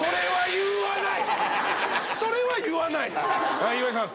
はい岩井さん。